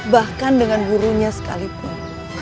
bahkan dengan gurunya sekalipun